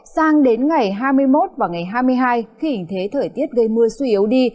sang đến ngày hai mươi một và ngày hai mươi hai khi hình thế thời tiết gây mưa suy yếu đi